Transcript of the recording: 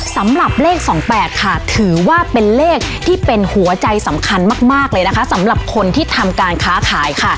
สำหรับเลข๒๘ค่ะถือว่าเป็นเลขที่เป็นหัวใจสำคัญมากเลยนะคะสำหรับคนที่ทำการค้าขายค่ะ